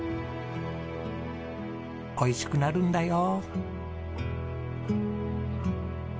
おいしくなるんだよ！